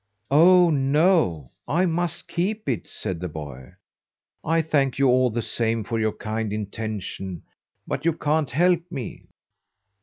"Oh, no, I must keep it," said the boy. "I thank you all the same for your kind intention, but you can't help me."